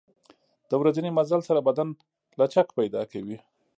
د ورځني مزل سره بدن لچک پیدا کوي.